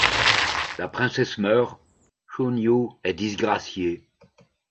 La princesse meurt, Chunyu est disgracié.